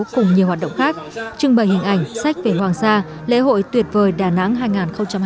cùng nhiều hoạt động khác trưng bày hình ảnh sách về hoàng sa lễ hội tuyệt vời đà nẵng hai nghìn hai mươi bốn